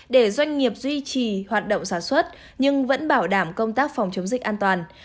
để doanh nghiệp duy trì hoạt động sản xuất nhưng vẫn bảo đảm công tác phòng chống dịch an toàn